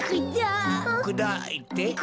くだいて。